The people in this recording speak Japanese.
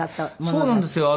そうなんですよ。